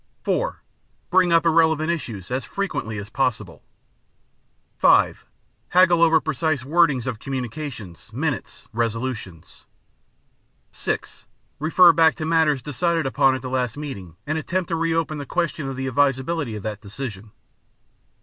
(4) Bring up irrelevant issues as frequently as possible. (5) Haggle over precise wordings of communications, minutes, resolutions. (6) Refer back to matters decided upon at the last meeting and attempt to re open the question of the advisability of that decision.